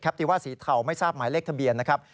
ติว่าสีเทาไม่ทราบหมายเลขทะเบียนนะครับ